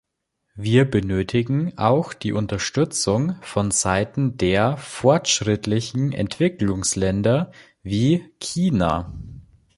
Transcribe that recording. Wir benötigen auch die Unterstützung vonseiten der fortschrittlichen Entwicklungsländer wie China.